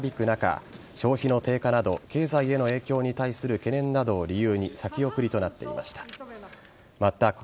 中消費の低下など経済への影響に対する懸念などを理由に先送りとなっていました。